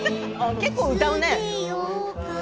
結構、歌うね。